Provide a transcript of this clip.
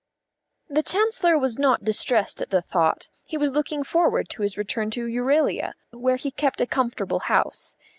The Chancellor was not distressed at the thought; he was looking forward to his return to Euralia, where he kept a comfortable house.